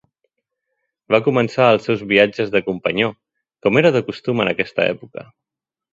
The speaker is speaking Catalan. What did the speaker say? Va començar els seus viatges de companyó, com era de costum en aquesta època.